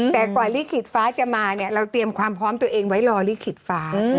แต่กว่าลิขิตฟ้าจะมาเนี่ยเราเตรียมความพร้อมตัวเองไว้รอลิขิตฟ้า